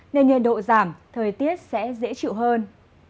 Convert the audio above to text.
nên nhiệt độ giảm thời tiết sẽ dễ chịu hơn